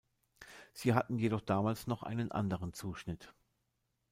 Sie hatten jedoch damals noch einen anderen Zuschnitt.